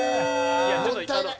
もったいない！